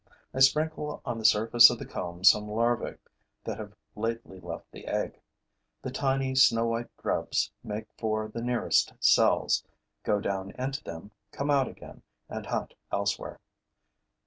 I sprinkle on the surface of the combs some larvae that have lately left the egg. The tiny, snow white grubs make for the nearest cells, go down into them, come out again and hunt elsewhere.